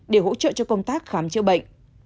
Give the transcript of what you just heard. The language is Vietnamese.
để hỗ trợ cho công tác khám chữa bệnh